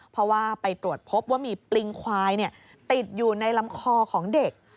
เพราะว่าไปตรวจพบว่ามีปริงควายติดอยู่ในลำคอของเด็ก